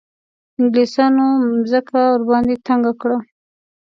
انګلیسیانو مځکه ورباندې تنګه کړه.